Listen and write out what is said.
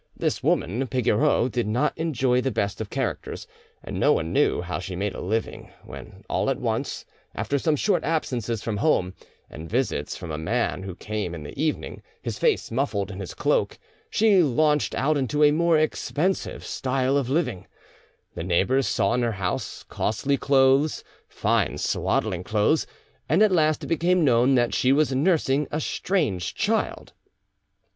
This woman Pigoreau did not enjoy the best of characters, and no one knew how she made a living, when all at once, after some short absences from home and visit from a man who came in the evening, his face muffled in his cloak, she launched out into a more expensive style of living; the neighbours saw in her house costly clothes, fine swaddling clothes, and at last it became known that she was nursing a strange child.